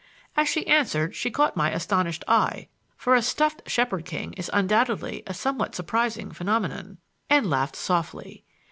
As she answered she caught my astonished eye (for a stuffed Shepherd King is undoubtedly a somewhat surprising phenomenon) and laughed softly.